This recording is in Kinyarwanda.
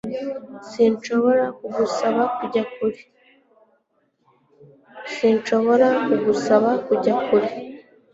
Sinshobora kugusaba kujya kure